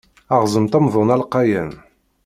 Ɣzemt amdun alqayan.